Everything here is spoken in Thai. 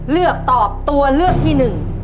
เลือกตอบตัวเลือกที่หนึ่ง